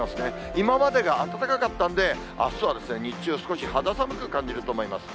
今までが暖かかったんで、あすはですね、日中、少し肌寒く感じると思います。